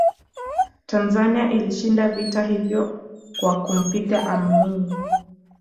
tanzania ilishinda vita hivyo kwa kumpiga amini